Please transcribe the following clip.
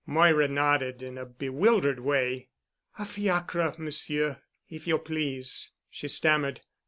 Moira nodded in a bewildered way. "A fiacre, Monsieur, if you please," she stammered.